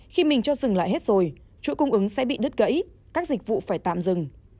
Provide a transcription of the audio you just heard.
khi mình cho dừng lại hết rồi chuỗi cung ứng sẽ bị đứt gãy các dịch vụ phải tạm dừng